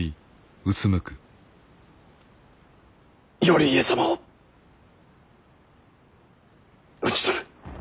頼家様を討ち取る。